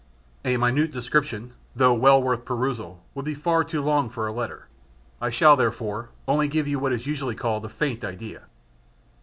A minute description (though well worth perusal) would be far too long for a letter; I shall therefore only give you what is usually called a faint idea.